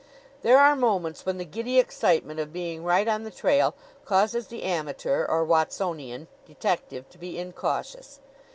There are moments when the giddy excitement of being right on the trail causes the amateur or Watsonian detective to be incautious.